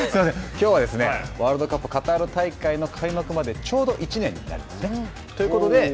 きょうはですねワールドカップカタール大会の開幕までちょうど１年になりますね。